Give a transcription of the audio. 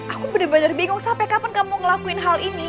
aku benar benar bingung sampai kapan kamu ngelakuin hal ini